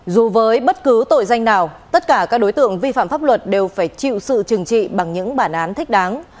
dù với bất cứ tội danh nào tất cả các đối tượng vi phạm pháp luật đều phải chịu sự trừng trị bằng những bản án thích đáng